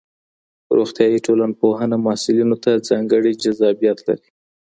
روغتيایي ټولنپوهنه محصلینو ته ځانګړی جذابیت لري.